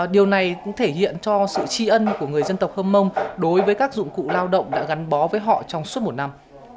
điều này cũng thể hiện cho sự tri ân của người dân tộc hơm mông đối với các dụng cụ lao động đã gắn bó với họ trong suốt một năm